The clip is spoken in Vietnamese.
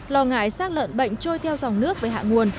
lo ngại sát lợn bệnh trôi theo dòng nước với hạ nguồn